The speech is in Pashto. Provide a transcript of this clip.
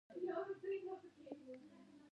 تالابونه د افغانستان د ښاري پراختیا یو سبب دی.